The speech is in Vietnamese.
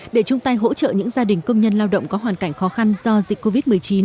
để chung tay hỗ trợ những gia đình công nhân lao động có hoàn cảnh khó khăn do dịch covid một mươi chín